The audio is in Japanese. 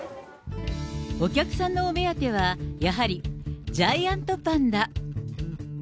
お客さんのお目当ては、やはりジャイアントパンダ。